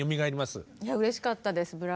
いやうれしかったです。